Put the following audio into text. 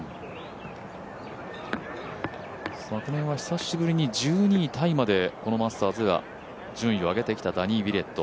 昨年は久しぶりに１２位タイまでマスターズで順位を上げてきたダニー・ウィレット。